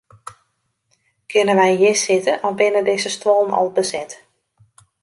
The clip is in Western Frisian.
Kinne wy hjir sitte of binne dizze stuollen al beset?